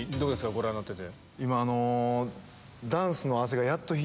ご覧になってて。